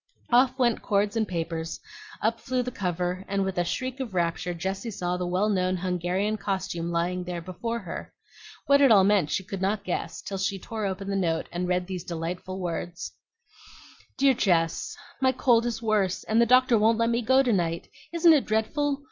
Off went cords and papers, up flew the cover, and with a shriek of rapture Jessie saw the well known Hungarian costume lying there before her. What it all meant she could not guess, till she tore open the note and read these delightful words: DEAR JESS, My cold is worse, and the doctor won't let me go to night. Isn't it dreadful?